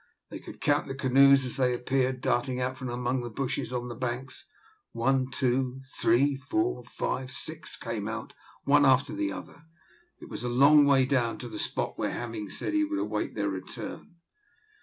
They could count the canoes as they appeared darting out from among the bushes on the banks one, two, three, four, five, six, came out one after the other. It was a long way down to the spot where Hemming had said he would await their return.